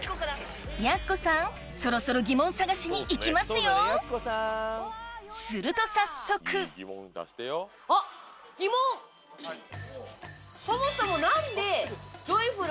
やす子さんそろそろギモン探しに行きますよすると早速そもそも。